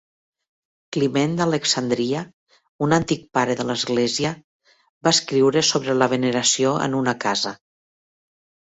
Climent d'Alexandria, un antic pare de l'Església, va escriure sobre la veneració en una casa.